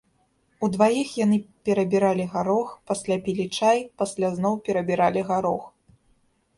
Удваіх яны перабіралі гарох, пасля пілі чай, пасля зноў перабіралі гарох.